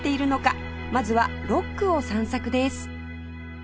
まずは六区を散策です